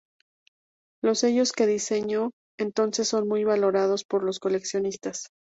Los sellos que diseñó entonces son muy valorados por los coleccionistas.